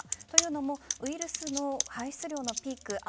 というのもウイルスの排出量のピーク